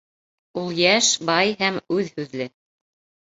Ул йәш, бай һәм үҙһүҙле.